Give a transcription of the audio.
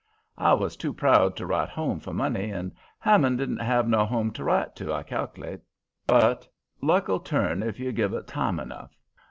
I was too proud to write home for money, and Hammond didn't have no home to write to, I cal'late. "But luck 'll turn if you give it time enough.